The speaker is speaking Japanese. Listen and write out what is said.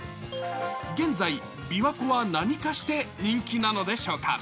現在、琵琶湖は何化して人気なのでしょうか。